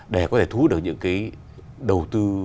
để có thể thú được những cái đầu tư